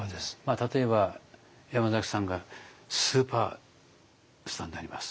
例えば山崎さんがスーパースターになります。